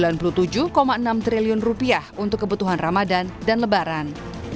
rp sembilan puluh tujuh enam triliun untuk kebutuhan ramadan dan lebaran